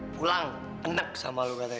pulang enak sama lu katanya